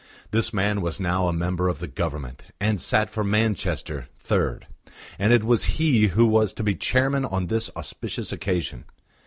This man was now a member of the Government, and sat for Manchester (3); and it was he who was to be chairman on this auspicious occasion.